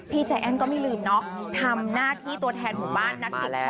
พี่แจงก็ไม่ลืมเนาะทำหน้าที่ตัวแทนหมู่บ้านนักสุดโทษ